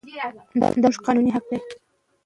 دا زموږ قانوني حق دی.